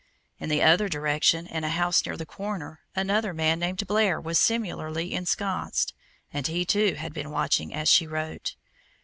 In the other direction, in a house near the corner, another man named Blair was similarly ensconced, and he, too, had been watching as she wrote.